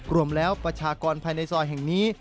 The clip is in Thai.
รวมแล้วประชากรภายในซอยแห่งนี้